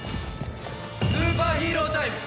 スーパーヒーロータイム。